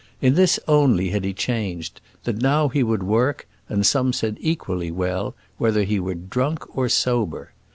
In this only had he changed, that now he would work, and some said equally well, whether he were drunk or sober.